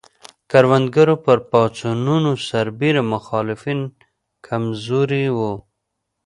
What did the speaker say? کروندګرو پر پاڅونونو سربېره مخالفین کم زوري وو.